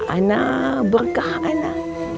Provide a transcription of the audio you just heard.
aina berkah aina